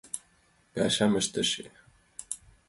Пашам ыштыше.